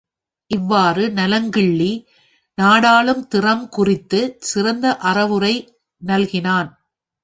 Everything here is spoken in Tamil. இவ்வாறு நலங்கிள்ளி நாடாளும் திறம் குறித்துச் சிறந்த அறவுரை நல்கினான்.